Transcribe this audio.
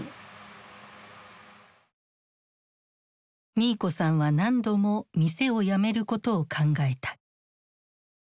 ミーコさんは何度も店を辞めることを考えた。